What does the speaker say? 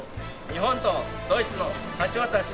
日本とドイツの橋渡し。